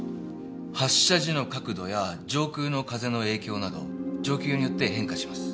発射時の角度や上空の風の影響など状況によって変化します。